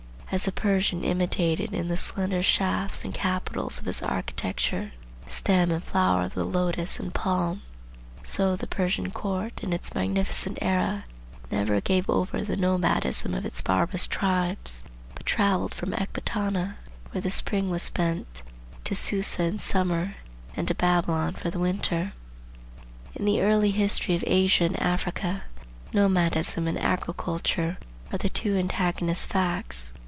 As the Persian imitated in the slender shafts and capitals of his architecture the stem and flower of the lotus and palm, so the Persian court in its magnificent era never gave over the nomadism of its barbarous tribes, but travelled from Ecbatana, where the spring was spent, to Susa in summer and to Babylon for the winter. In the early history of Asia and Africa, Nomadism and Agriculture are the two antagonist facts.